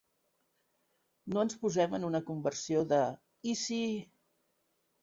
No ens posem en una conversió de "i si...".